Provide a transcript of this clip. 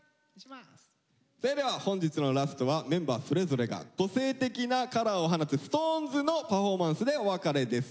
それでは本日のラストはメンバーそれぞれが個性的なカラーを放つＳｉｘＴＯＮＥＳのパフォーマンスでお別れです。